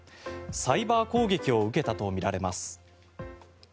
サイバー攻撃を受けたとみられます。